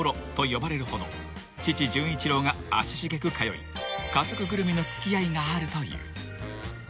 呼ばれるほど父純一郎が足しげく通い家族ぐるみの付き合いがあるという］